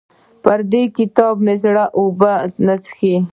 پر دې کتاب مې زړه اوبه نه څښي.